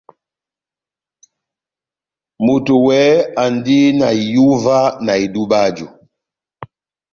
Moto wɛhɛ andi na ihúwa na edub'aju.